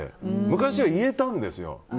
昔は言えたんですよ。